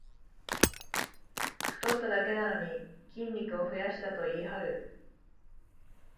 太っただけなのに筋肉を増やしたと言いはる